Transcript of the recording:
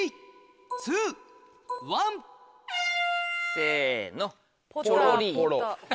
せの。